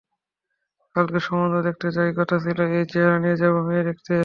কালকে সম্বন্ধ দেখতে যাওয়ার কথা ছিল, এই চেহারা নিয়ে যাব, মেয়ে দেখতে?